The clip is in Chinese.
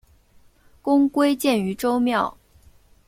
公归荐于周庙。